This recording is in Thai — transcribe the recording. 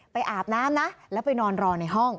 อาบน้ำนะแล้วไปนอนรอในห้อง